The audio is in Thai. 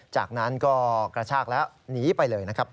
จากนั้นก็กระชากแล้วหนีไปเลยนะครับ